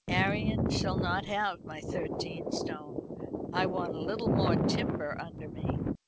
Arion shall not have my thirteen stone; I want a little more timber under me."